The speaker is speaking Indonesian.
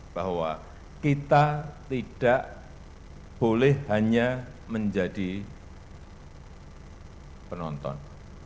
bahwa kita tidak boleh hanya menjadi penonton